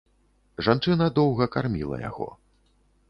Жанчына доўга карміла яго.